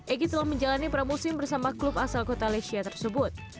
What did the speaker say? egy telah menjalani pramusim bersama klub asal kota lecia tersebut